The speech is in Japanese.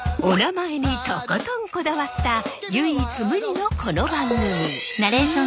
おなまえにとことんこだわった唯一無二のこの番組。